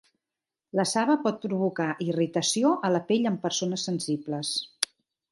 La saba pot provocar irritació a la pell en persones sensibles.